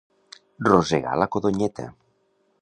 Rosegar la codonyeta.